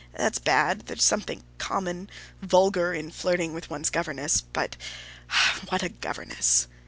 That's bad! There's something common, vulgar, in flirting with one's governess. But what a governess!"